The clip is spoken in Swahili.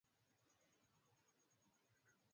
viongozi wa kiraia wa Kivu Kaskazini na Ituri na